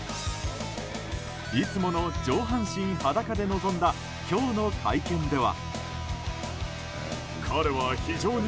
いつもの上半身裸で臨んだ今日の会見では。